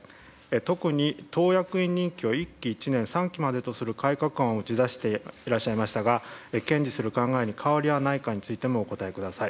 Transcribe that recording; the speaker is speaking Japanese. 特に党役員任期は１期１年３期までという改革案を打ち出していらっしゃいましたが、堅持する考えに変わりはないかをお答えください。